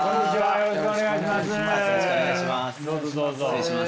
よろしくお願いします。